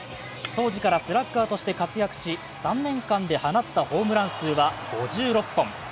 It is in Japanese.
当時からスラッガーとして活躍し３年間で放ったホームラン数は５６本。